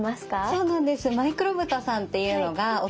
そうなんです。